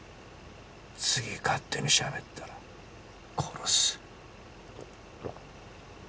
次勝手にしゃべったら殺す。